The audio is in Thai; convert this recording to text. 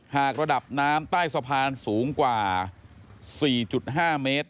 หากระดับน้ำใต้สะพานสูงกว่า๔๕เมตร